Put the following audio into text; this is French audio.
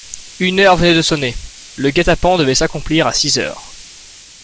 Une heure venait de sonner, le guet-apens devait s'accomplir à six heures.